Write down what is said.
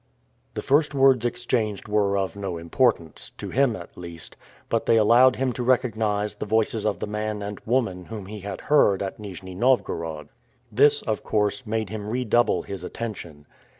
The first words exchanged were of no importance to him at least but they allowed him to recognize the voices of the man and woman whom he had heard at Nijni Novgorod. This, of course, made him redouble his attention.